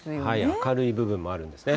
明るい部分もあるんですね。